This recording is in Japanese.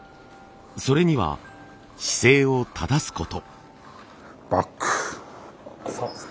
それには姿勢を正すこと。